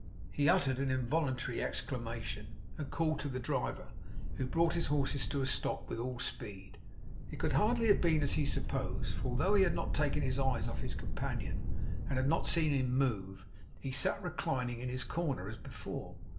He uttered an involuntary exclamation, and called to the driver, who brought his horses to a stop with all speed. It could hardly have been as he supposed, for although he had not taken his eyes off his companion, and had not seen him move, he sat reclining in his corner as before.